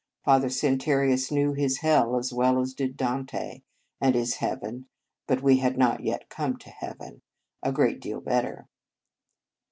Father Santarius knew his Hell as well as did Dante, and his Heaven (but we had not yet come to Heaven) a great deal better.